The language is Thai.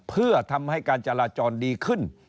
เพื่อทำให้การจราจรดีขึ้น